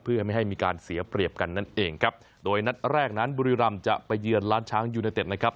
เพื่อไม่ให้มีการเสียเปรียบกันนั่นเองครับโดยนัดแรกนั้นบุรีรำจะไปเยือนล้านช้างยูเนเต็ดนะครับ